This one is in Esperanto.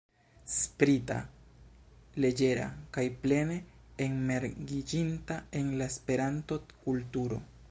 Sprita, leĝera kaj plene enmergiĝinta en la Esperanto-kulturo.